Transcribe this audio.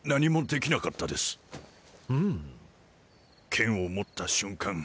剣を持った瞬間